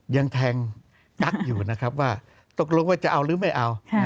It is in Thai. ยังแทงตั๊กอยู่นะครับว่าตกลงว่าจะเอาหรือไม่เอา